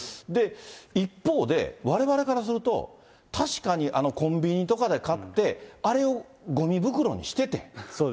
一方で、われわれからすると、確かにコンビニとかで買って、あれをごみ袋にしててん。